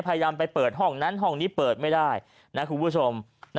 พยายามไปเปิดห้องนั้นห้องนี้เปิดไม่ได้นะคุณผู้ชม